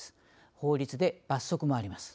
法律で罰則もあります。